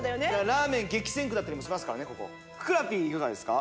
ラーメン激戦区だったりもしますからふくらＰいかがですか？